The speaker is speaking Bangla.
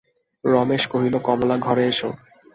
রমেশ কহিল, কমলা, ঘরে এসো।